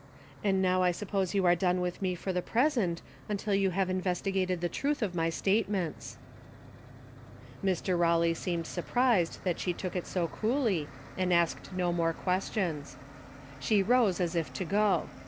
And now I suppose you are done with me for the present, until you have investigated the truth of my statements." Mr. Hawley seemed surprised that she took it so coolly and asked no more questions. She rose as if to go.